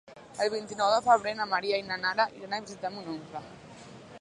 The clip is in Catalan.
El vint-i-nou de febrer na Maria i na Nara iran a visitar mon oncle.